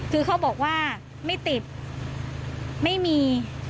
คือเขาบอกว่าไม่ติดไม่มี